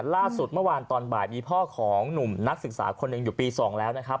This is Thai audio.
ล่าสุดเมื่อวานตอนบ่ายมีพ่อของหนุ่มนักศึกษาคนหนึ่งอยู่ปี๒แล้วนะครับ